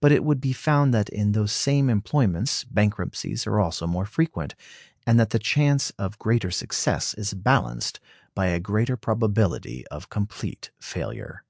But it would be found that in those same employments bankruptcies also are more frequent, and that the chance of greater success is balanced by a greater probability of complete failure.